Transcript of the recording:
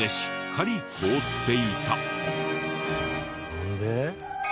なんで？